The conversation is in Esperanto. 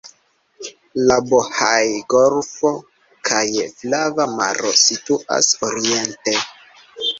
La Bohaj-golfo kaj Flava Maro situas oriente.